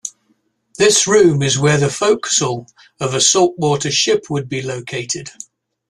This room is where the forecastle of a saltwater ship would be located.